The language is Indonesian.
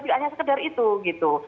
tidak hanya sekedar itu gitu